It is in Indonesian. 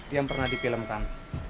yang pernah dipilinkan